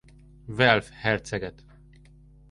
Welf herceget.